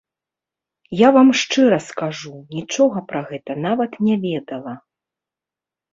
Я вам шчыра скажу, нічога пра гэта нават не ведала.